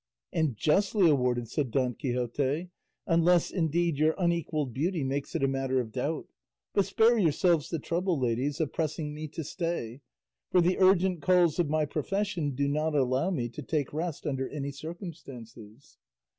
"And justly awarded," said Don Quixote, "unless, indeed, your unequalled beauty makes it a matter of doubt. But spare yourselves the trouble, ladies, of pressing me to stay, for the urgent calls of my profession do not allow me to take rest under any circumstances."